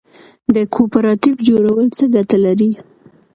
د کوپراتیف جوړول څه ګټه لري؟